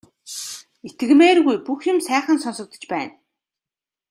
Итгэмээргүй бүх юм сайхан сонсогдож байна.